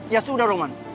ya sudah roman